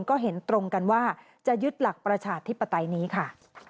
ก็เห็นตรงกันว่าจะยึดหลักประชาธิปไตยนี้ค่ะ